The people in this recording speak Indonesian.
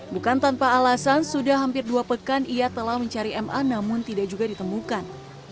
bukan tanpa alasan sudah hampir dua pekan ia telah mencari ma namun tidak juga ditemukan